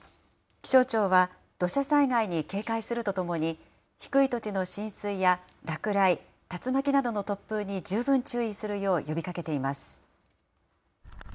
気象庁は、土砂災害に警戒するとともに、低い土地の浸水や落雷、竜巻などの突風に十分注意するよう呼びかけています。